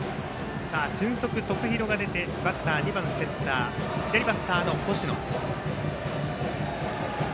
俊足、徳弘が出てバッター、２番センター左バッターの星野。